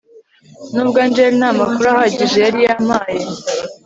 nubwo angel nta makuru ahagije yari yampaye